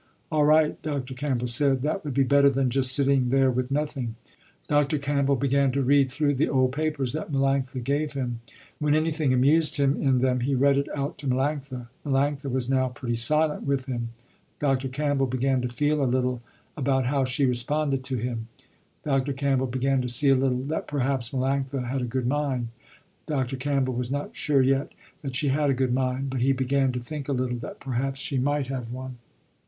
All right, Dr. Campbell said, that would be better than just sitting there with nothing. Dr. Campbell began to read through the old papers that Melanctha gave him. When anything amused him in them, he read it out to Melanctha. Melanctha was now pretty silent, with him. Dr. Campbell began to feel a little, about how she responded to him. Dr. Campbell began to see a little that perhaps Melanctha had a good mind. Dr. Campbell was not sure yet that she had a good mind, but he began to think a little that perhaps she might have one.